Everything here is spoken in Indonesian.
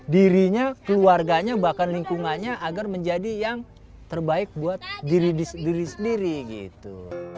dirinya keluarganya bahkan lingkungannya agar menjadi yang terbaik buat diri sendiri gitu